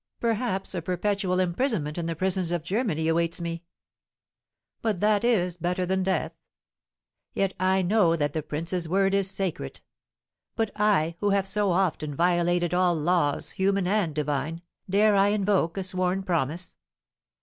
Perhaps a perpetual imprisonment in the prisons of Germany awaits me! But that is better than death! Yet I know that the prince's word is sacred! But I, who have so often violated all laws, human and divine, dare I invoke a sworn promise?